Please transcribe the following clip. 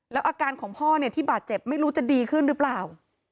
แล้วอาการของพ่อเนี่ยที่บาดเจ็บไม่รู้จะดีขึ้นหรือเปล่า